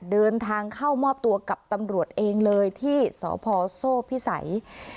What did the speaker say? เดินทางเข้ามอบตัวกับตำรวจเองเลยที่สพโซ่พิสัย